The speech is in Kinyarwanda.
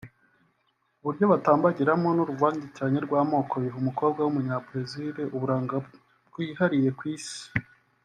uburyo batambagiramo n’uruvangitiranye rw’amoko biha umukobwa w’Umunyabrezil uburanga bwihariye ku Isi